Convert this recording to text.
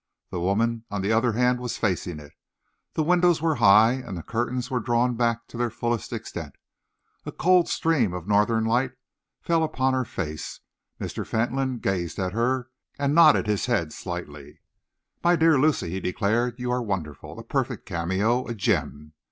The woman, on the other hand, was facing it. The windows were high, and the curtains were drawn back to their fullest extent. A cold stream of northern light fell upon her face. Mr. Fentolin gazed at her and nodded his head slightly. "My dear Lucy," he declared, "you are wonderful a perfect cameo, a gem.